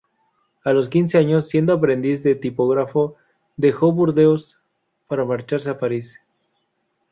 A los quince años, siendo aprendiz de tipógrafo, dejó Burdeos para marcharse a París.